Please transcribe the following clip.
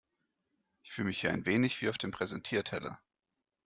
Ich fühle mich hier ein wenig wie auf dem Präsentierteller.